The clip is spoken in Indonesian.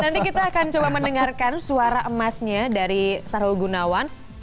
nanti kita akan coba mendengarkan suara emasnya dari sarul gunawan